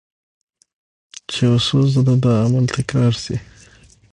چې يو څو ځله دا عمل تکرار شي